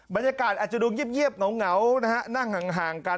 บรรยากาศอาจจะดูเงียบเหงานะฮะนั่งห่างกัน